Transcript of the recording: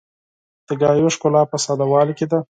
د خبرو ښکلا په ساده والي کې ده